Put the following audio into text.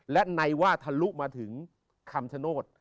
และในว่าทะลุมาถึงคำชโนธ